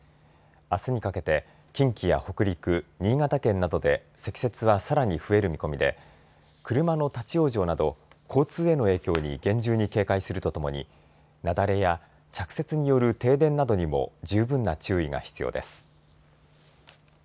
あすにかけて近畿や北陸、新潟県などで積雪はさらに増える見込みで車の立往生など交通への影響に厳重に警戒するとともに雪崩や着雪による停電などにも十分な注意が必要です。